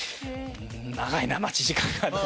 長いな待ち時間が！